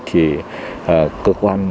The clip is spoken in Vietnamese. thì cơ quan